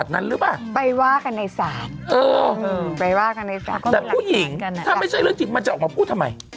แต่ผู้หญิงถ้าไม่ใช่เรื่องจริงมันจะออกมาพูดทำไม